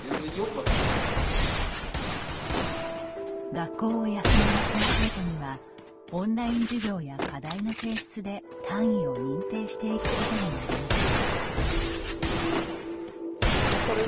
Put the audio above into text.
学校を休みがちな生徒にはオンライン授業や課題の提出で単位を認定していくことになりました。